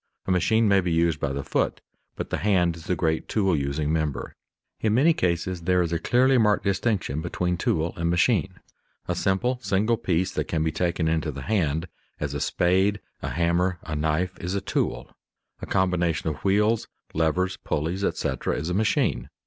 A machine may be used by the foot, but the hand is the great tool using member. In many cases there is a clearly marked distinction between tool and machine. A simple, single piece that can be taken into the hand, as a spade, a hammer, a knife, is a tool; a combination of wheels, levers, pulleys, etc., is a machine.